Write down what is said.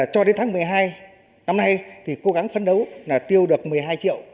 cho đến tháng một mươi hai năm nay cố gắng phấn đấu tiêu được một mươi hai triệu